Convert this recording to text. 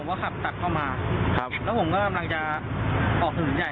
ก็ขับตัดเข้ามาครับแล้วผมก็กำลังจะออกถนนใหญ่